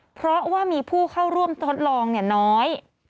เพราะว่ามีผู้เข้าร่วมทดลองน้อย